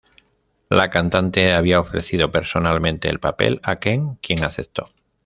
La cantante había ofrecido personalmente el papel a Ken quien aceptó.